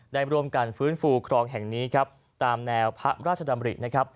ได้ร่วมกันฟื้นฟูครองแห่งนี้ครับตามแนวพระราชดำรินะครับ